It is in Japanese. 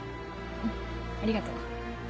うんありがとう。